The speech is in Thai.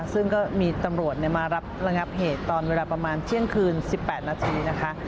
ซึ่งก็มีตำรวจมารับระงับเหตุตอนเวลาประมาณเที่ยงคืน๑๘นาทีนะคะ